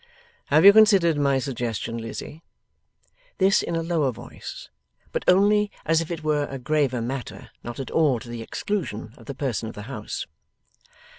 Have you considered my suggestion, Lizzie?' This in a lower voice, but only as if it were a graver matter; not at all to the exclusion of the person of the house.